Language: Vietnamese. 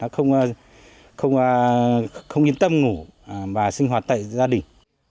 không yên tâm ngủ và sinh hoạt tại gia đình